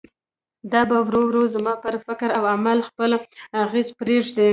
دا به ورو ورو زما پر فکر او عمل خپل اغېز پرېږدي.